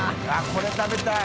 これ食べたい。